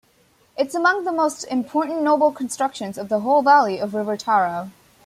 It's among the most important noble constructions in the whole valley of river Taro.